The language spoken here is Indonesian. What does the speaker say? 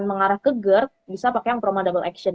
mengarah ke gerd bisa pakai yang proma double action